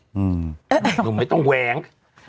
หนูไม่ต้องแว้ง